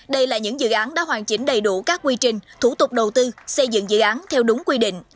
đây là những dự án đã hoàn chỉnh đầy đủ các quy trình thủ tục đầu tư xây dựng dự án theo đúng quy định